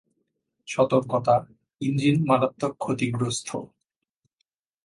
সতর্কতা, ইঞ্জিন মারাত্মক ক্ষতিগ্রস্থ।